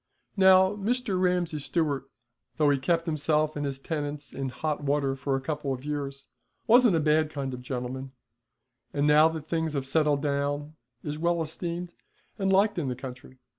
Now Mr. Ramsay Stewart, though he kept himself and his tenants in hot water for a couple of years, wasn't a bad kind of gentleman, and now that things have settled down is well esteemed and liked in the country.